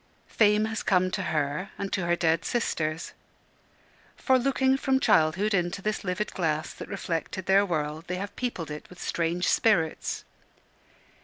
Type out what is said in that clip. Fame has come to her and to her dead sisters. For looking from childhood into this livid glass that reflected their world, they have peopled it with strange spirits.